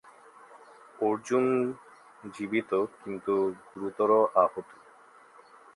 অর্জুন জীবিত কিন্তু গুরুতর আহত।